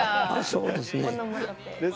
そうですね。